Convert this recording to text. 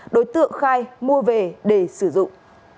đối tượng khai mua về để sử dụng